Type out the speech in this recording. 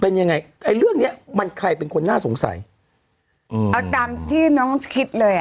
เป็นยังไงไอ้เรื่องเนี้ยมันใครเป็นคนน่าสงสัยอืมเอาตามที่น้องคิดเลยอ่ะ